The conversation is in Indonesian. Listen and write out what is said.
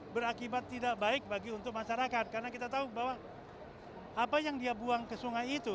berakibat tidak baik bagi untuk masyarakat karena kita tahu bahwa apa yang dia buang ke sungai itu